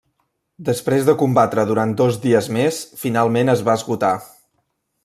Després de combatre durant dos dies més, finalment es va esgotar.